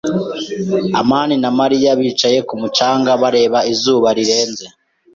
[S] amani na Mariya bicaye ku mucanga, bareba izuba rirenze.